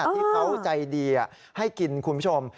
ที่เขาใจดีให้กินคุณผู้ชม